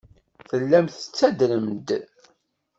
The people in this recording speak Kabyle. Tellam tettadrem-d.